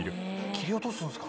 切り落とすんすか。